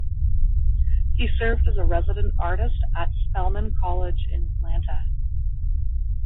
He served as a resident artist at Spelman College in Atlanta.